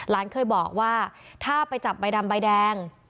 เคยบอกว่าถ้าไปจับใบดำใบแดง